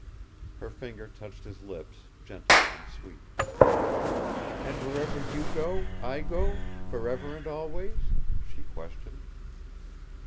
Her finger touched his lips, gentle and sweet. "And wherever you go, I go forever and always?" she questioned.